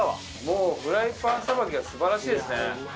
もうフライパンさばきが素晴らしいですね。